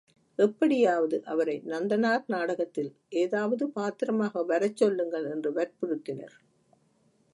எப்படியாவது அவரை நந்தனார் நாடகத்தில் ஏதாவது பாத்திரமாக வரச் சொல்லுங்கள் என்று வற்புறுத்தினர்.